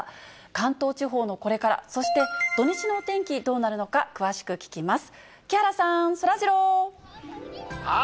関東地方のこれから、そして土日のお天気、どうなるのか、詳しく聞きます。